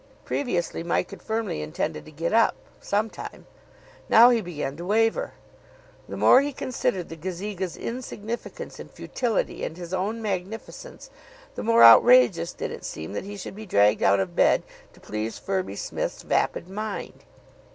Previously Mike had firmly intended to get up some time. Now he began to waver. The more he considered the Gazeka's insignificance and futility and his own magnificence, the more outrageous did it seem that he should be dragged out of bed to please Firby Smith's vapid mind.